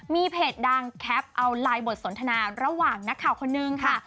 มีเพจดังแคปเอาไลน์บทสนทนาระหว่างนักข่าวคนนึงค่ะ